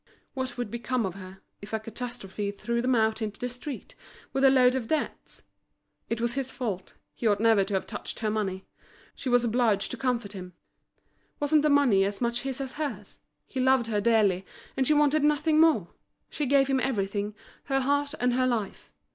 What would become of her if a catastrophe threw them into the street, with a load of debts? It was his fault, he ought never to have touched her money. She was obliged to comfort him. Wasn't the money as much his as hers? He loved her dearly, and she wanted nothing more; she gave him everything, her heart and her life.